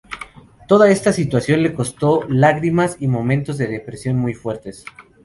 Toda esta situación le costó lágrimas y momentos de depresión muy fuertes.